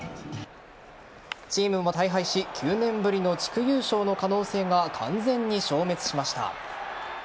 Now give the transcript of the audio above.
チームも大敗し９年ぶりの地区優勝の可能性が完全に消滅しました。